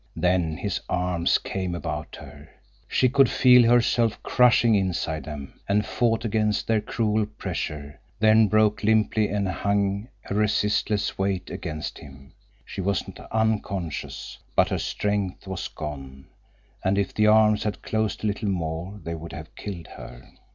Then his arms came about her. She could feel herself crushing inside them, and fought against their cruel pressure, then broke limply and hung a resistless weight against him. She was not unconscious, but her strength was gone, and if the arms had closed a little more they would have killed her.